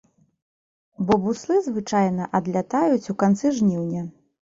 Бо буслы звычайна адлятаюць у канцы жніўня.